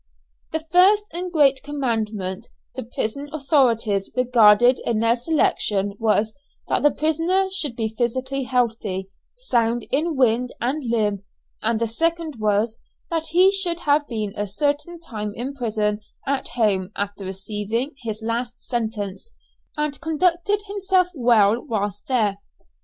The first and great commandment the prison authorities regarded in their selection was, that the prisoner should be physically healthy, sound in wind and limb; and the second was, that he should have been a certain time in prison at home after receiving his last sentence and conducted himself well whilst there.